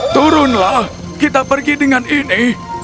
turunlah kita pergi dengan ini